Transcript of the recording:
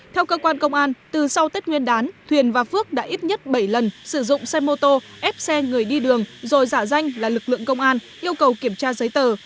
theo cơ quan công an từ sau tết nguyên đán thuyền và phước đã ít nhất bảy lần sử dụng xe mô tô ép xe người đi đường rồi giả danh là lực lượng công an yêu cầu kiểm tra giấy tờ